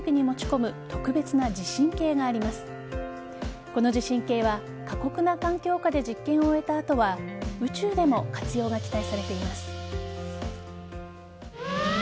この地震計は過酷な環境下で実験を終えた後は宇宙でも活用が期待されています。